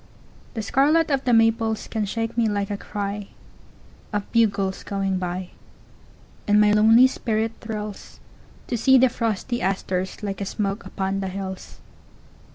The scarlet of the maples can shake me like a cryOf bugles going by. And my lonely spirit thrillsTo see the frosty asters like a smoke upon the hills.